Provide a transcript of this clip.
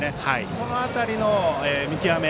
その辺りの見極め